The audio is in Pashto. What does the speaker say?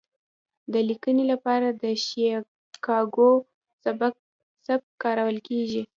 د لیکنې لپاره د شیکاګو سبک کارول کیږي.